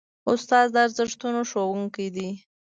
استاد د ارزښتونو ښوونکی دی.